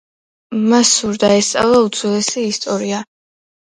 მას სურდა ესწავლა უძველესი ისტორია.